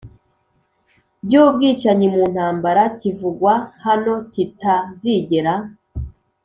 by'ubwicanyi mu ntambara kivugwa hano kitazigera